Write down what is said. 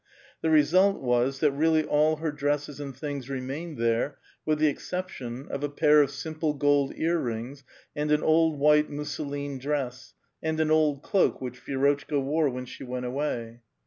The result was that really all her dresses and *^Ss remained there, with the exception of a pair of simple ^5^*^ ear rings, and an old white mousseline dress, and an old ^*Oa.lt, which Vi^rotchka wore when she went away.